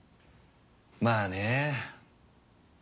まあね。